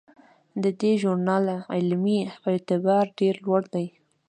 د دې ژورنال علمي اعتبار ډیر لوړ دی.